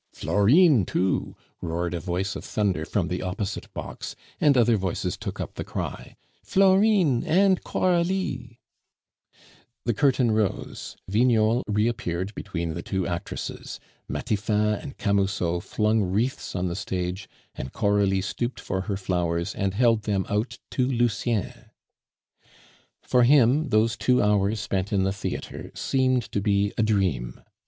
"Florine, too!" roared a voice of thunder from the opposite box, and other voices took up the cry, "Florine and Coralie!" The curtain rose, Vignol reappeared between the two actresses; Matifat and Camusot flung wreaths on the stage, and Coralie stooped for her flowers and held them out to Lucien. For him those two hours spent in the theatre seemed to be a dream.